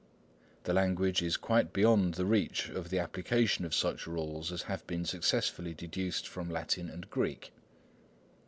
The language is quite beyond reach of the application of such rules as have been successfully deduced from Latin and Greek.